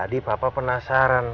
tadi papa penasaran